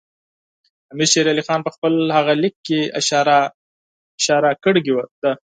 امیر شېر علي خان په خپل هغه لیک کې اشاره کړې ده.